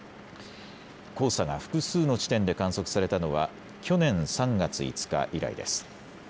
黄砂が複数の地点で観測されたのは去年３月５日以来です。